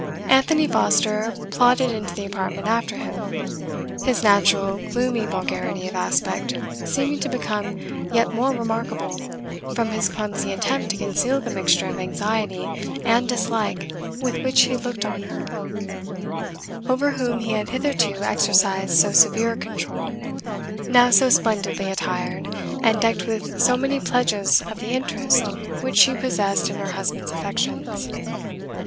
Anthony Foster plodded into the apartment after him, his natural gloomy vulgarity of aspect seeming to become yet more remarkable, from his clumsy attempt to conceal the mixture of anxiety and dislike with which he looked on her, over whom he had hitherto exercised so severe a control, now so splendidly attired, and decked with so many pledges of the interest which she possessed in her husband's affections.